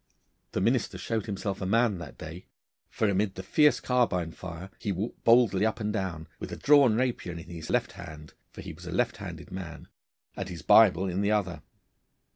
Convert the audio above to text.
The minister showed himself a man that day, for amid the fierce carbine fire he walked boldly up and down, with a drawn rapier in his left hand for he was a left handed man and his Bible in the other.